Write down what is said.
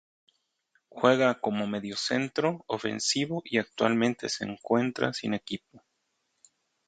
Juega como mediocentro ofensivo y actualmente se encuentra sin equipo.